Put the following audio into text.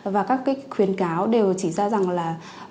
và các khuyến cáo đều chỉ ra rằng là